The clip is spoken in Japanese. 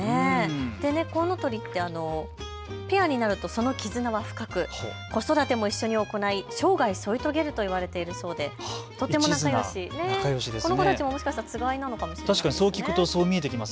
コウノトリってペアになるとその絆は深く子育ても一緒に行い生涯添い遂げるといわれてるそうでこの子たちももしかしたらつがいなのかもしれませんね。